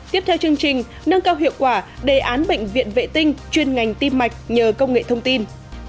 tiếp theo chương trình nâng cao hiệu quả đề án bệnh viện vệ tinh chuyên ngành tim mạch nhờ công nghệ thông tin